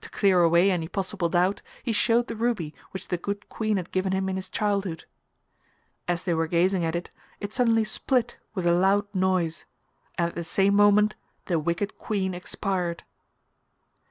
To clear away any possible doubt, he showed the ruby which the Good Queen had given him in his childhood. As they were gazing at it, it suddenly split with a loud noise, and at the same moment the Wicked Queen expired.